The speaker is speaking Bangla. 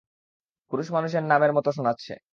পুরুষ মানুষের নামের মতো শোনাচ্ছে।